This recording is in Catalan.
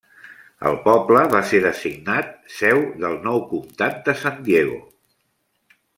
El poble va ser designat seu del nou Comtat de San Diego.